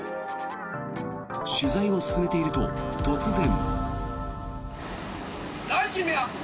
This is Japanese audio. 取材を進めていると突然。